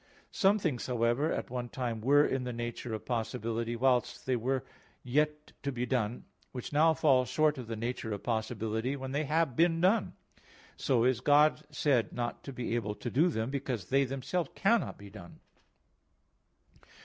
Some things, however, at one time were in the nature of possibility, whilst they were yet to be done, which now fall short of the nature of possibility, when they have been done. So is God said not to be able to do them, because they themselves cannot be done.